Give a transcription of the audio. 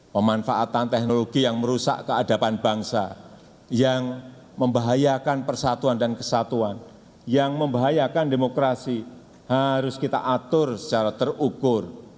pemanfaatan teknologi yang merusak keadaban bangsa yang membahayakan persatuan dan kesatuan yang membahayakan demokrasi harus kita atur secara terukur